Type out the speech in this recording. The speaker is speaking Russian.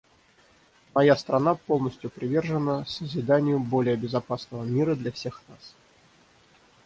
Моя страна полностью привержена созиданию более безопасного мира для всех нас.